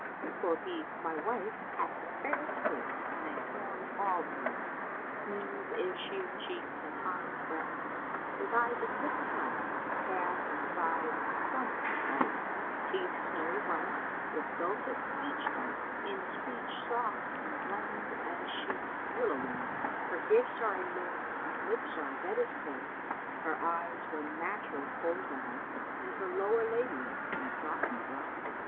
Quoth he, "My wife hath the fairest face and a form all grace; smooth is she of cheeks and high of breasts with eyes of liquid light, calves and thighs plump to sight, teeth snowy white, with dulcet speech dight; in speech soft and bland as she were a willow wand; her gifts are a moral and lips are red as coral; her eyes wear natural Kohl dye and her lower labia[FN#132] in softness lie.